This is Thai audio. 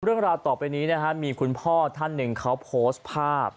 เรื่องราวต่อไปนี้นะฮะมีคุณพ่อท่านหนึ่งเขาโพสต์ภาพ